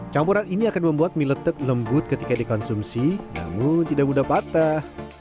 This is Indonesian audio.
campuran ini akan membuat mie letek lembut ketika dikonsumsi namun tidak mudah patah